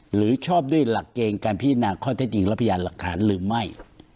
หรือชอบด้วยหลักเกณฑ์การพิจารณาข้อเท็จจริงและพยานหลักฐานหรือไม่